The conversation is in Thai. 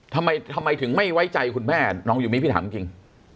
ทำไมทำไมถึงไม่ไว้ใจคุณแม่น้องยูมิพี่ถามจริง